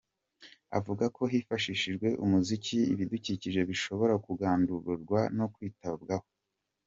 Avuga ko hifashishijwe umuziki, ibidukikije bishobora kubungabungwa no kwitabwaho.